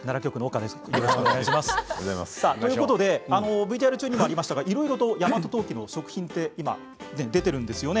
ＶＴＲ中にもありましたがいろいろと大和当帰の食品が今、出ているんですよね。